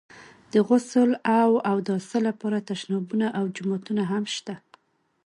د غسل او اوداسه لپاره تشنابونه او جومات هم شته.